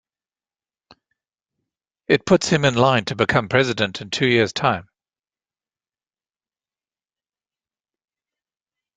It puts him in line to become president in two years' time.